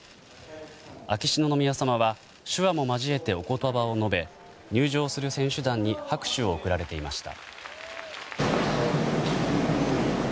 秋篠宮さまは手話も交えて、お言葉を述べ入場する選手団に拍手を送られていました。